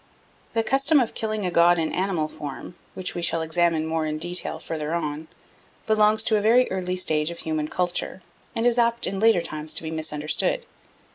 The custom of killing a god in animal form, which we shall examine more in detail further on, belongs to a very early stage of human culture, and is apt in later times to be misunderstood.